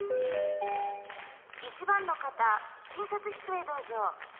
「１番の方診察室へどうぞ」。